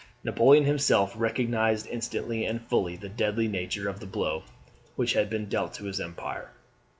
Napoleon himself recognised instantly and fully the deadly nature of the blow which had been dealt to his empire.